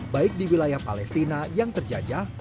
baik di wilayah palestina yang terjajah